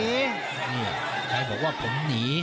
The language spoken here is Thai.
ใครบอกว่าผมหนี